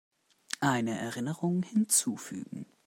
Eine Erinnerung hinzufügen.